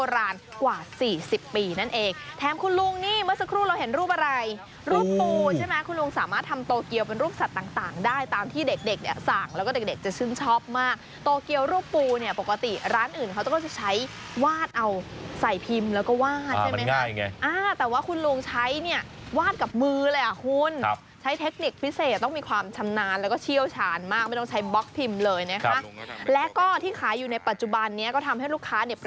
แล้วรูปปูเนี้ยปกติร้านอื่นเขาก็จะใช้วาดเอาใส่พิมพ์แล้วก็วาดใช่ไหมครับอ่ามันง่ายไงอ่าแต่ว่าคุณลุงใช้เนี้ยวาดกับมือเลยอ่ะคุณครับใช้เทคนิคพิเศษต้องมีความชำนาญแล้วก็เชี่ยวชาญมากไม่ต้องใช้บล็อกพิมพ์เลยเนี้ยค่ะครับแล้วก็ที่ขายอยู่ในปัจจุบันนี้ก็ทำให้ลูกค้าเนี้ยป